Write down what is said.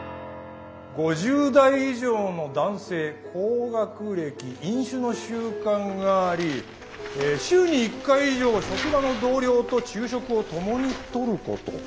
５０代以上の男性高学歴飲酒の習慣があり週に１回以上職場の同僚と昼食を共にとること。